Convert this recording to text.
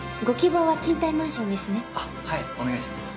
あっはいお願いします。